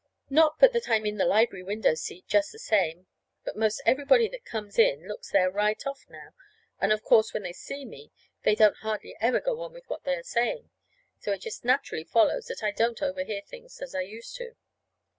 Not but that I'm in the library window seat just the same; but 'most everybody that comes in looks there right off, now; and, of course, when they see me they don't hardly ever go on with what they are saying. So it just naturally follows that I don't overhear things as I used to.